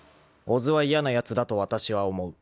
［小津は嫌なやつだと私は思う］